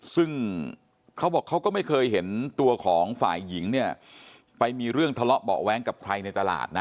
ซึ่งเขาบอกเขาก็ไม่เคยเห็นตัวของฝ่ายหญิงเนี่ยไปมีเรื่องทะเลาะเบาะแว้งกับใครในตลาดนะ